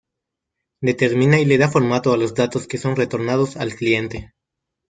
Determina y le da formato a los datos que son retornados al cliente.